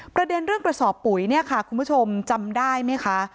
ประเด็นเรื่องกระสอบปุ๋ยเนี่ยค่ะคุณผู้ชมจำได้ไหมคะ